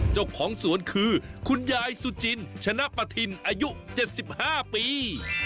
เจ้าของสวนคือคุณยายสุจินชนะปธินอายุ๗๕ปี